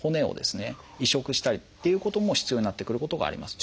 移植したりっていうことも必要になってくることがあります。